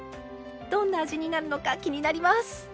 どんな味になるのか気になります！